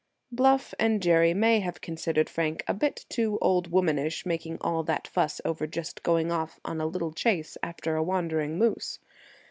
Bluff and Jerry may have considered Frank a bit too old womanish, making all that fuss over just going off on a little chase after a wandering moose.